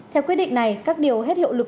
theo quyết định này các điều hết hiệu lực